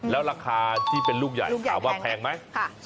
แล้วราคาที่เป็นลูกใหญ่ถามว่าแพงไหม